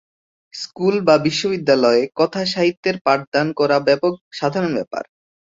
School বা বিশ্ববিদ্যালয়ে কথাসাহিত্যের পাঠদান করা সাধারণ ব্যাপার।